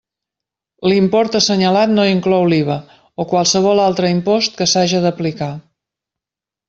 L'import assenyalat no inclou l'IVA o qualsevol altre impost que s'haja d'aplicar.